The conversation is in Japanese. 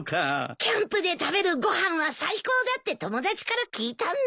キャンプで食べるご飯は最高だって友達から聞いたんだ。